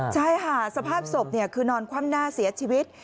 ใช่ค่ะสภาพศพคือนอนคว่ำหน้าเสียชีวิต